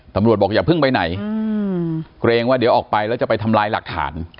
ถำรวจบอกอย่าพึ่งไปไหนกระพรงว่าเดี๋ยวออกไปแล้วจะไปทำร้ายหลักฐาน